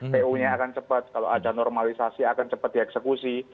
pu nya akan cepat kalau ada normalisasi akan cepat dieksekusi